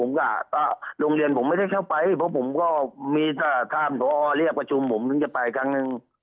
และผมวงเรียนผมไม่ได้เข้าไปเพราะผมก็มีการทำทหารอออรห์เรียบกระจุมขึ้นไปกัน